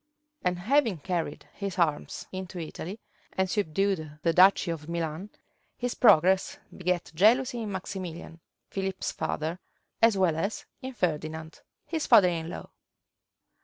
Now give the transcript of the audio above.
and having carried his arms into Italy, and subdued the duchy of Milan, his progress begat jealousy in Maximilian, Philip's father, as well as in Ferdinand, his father in law.